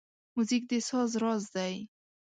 موزیک د ساز راز دی.